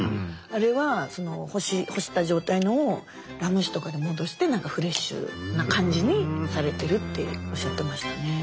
あれは干した状態のをラム酒とかで戻して何かフレッシュな感じにされてるっておっしゃってましたね。